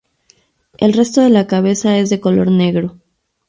El resto de la cabeza es de color negro.